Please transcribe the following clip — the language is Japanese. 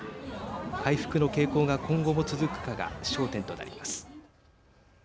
回復の傾向が今後も続くかが焦点となります。